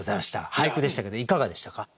俳句でしたけどいかがでしたか？